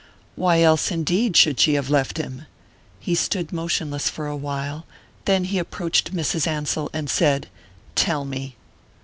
Why else, indeed, should she have left him? He stood motionless for a while; then he approached Mrs. Ansell and said: "Tell me."